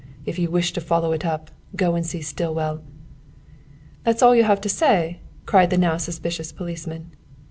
"If you wish to follow it up, go and see Stillwell." "That's all you have to say?" cried the now suspicious policeman.